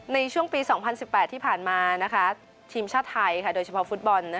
ในช่วงปี๒๐๑๘ที่ผ่านมาทีมชาติไทยโดยเฉพาะฟุตบอล